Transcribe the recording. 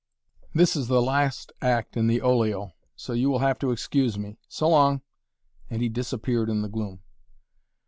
"This is the last act in the olio, so you will have to excuse me. So long!" and he disappeared in the gloom.